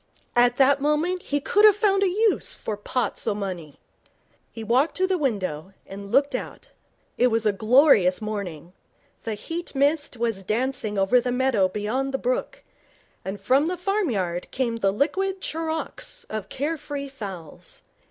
At that moment he could have found a use for pots o' money. He walked to the window, and looked out. It was a glorious morning. The heat mist was dancing over the meadow beyond the brook, and from the farmyard came the liquid charawks of care free fowls.